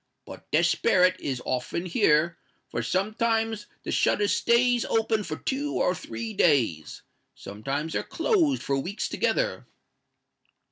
But the sperret is often here; for sometimes the shutters stays open for two or three days—sometimes they're closed for weeks together."